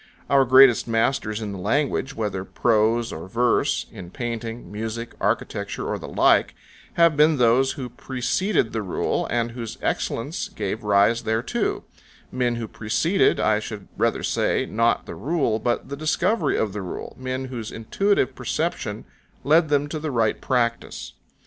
Our greatest masters in language, whether prose or verse, in painting, music, architecture, or the like, have been those who preceded the rule and whose excellence gave rise thereto; men who preceded, I should rather say, not the rule, but the discovery of the rule, men whose intuitive perception led them to the right practice.